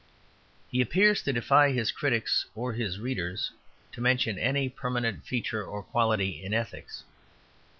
He appears to defy his critics or his readers to mention any permanent feature or quality in ethics.